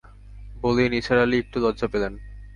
বলেই নিসার আলি একটু লজ্জা পেলেন।